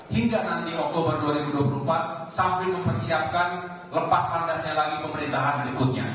hingga nanti oktober dua ribu dua puluh empat sambil mempersiapkan lepas kandasnya lagi pemerintahan berikutnya